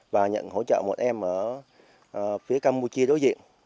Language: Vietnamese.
và nhận hỗ trợ một em ở phía campuchia đối diện